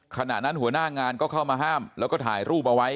ขณะนั้นหัวหน้างานก็เข้ามาห้ามแล้วก็ถ่ายรูปเอาไว้